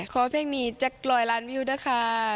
เพราะว่าเพลงนี้จะรอยล้านวิวด้วยค่ะ